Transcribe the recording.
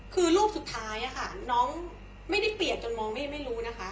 คือรูปสุดท้ายค่ะน้องไม่ได้เปลี่ยนจนมองไม่รู้นะคะ